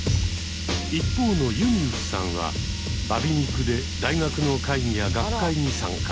一方のゆみうすさんはバ美肉で大学の会議や学会に参加。